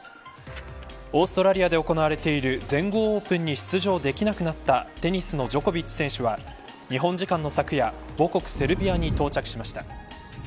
オーストラリアで行われている全豪オープンに出場できなくなったテニスのジョコビッチ選手は日本時間の昨夜母国、セルビアに到着しました。